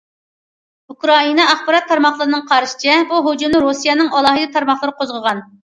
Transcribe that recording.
ئۇكرائىنا ئاخبارات تارماقلىرىنىڭ قارىشىچە، بۇ ھۇجۇمنى رۇسىيەنىڭ ئالاھىدە تارماقلىرى قوزغىغان.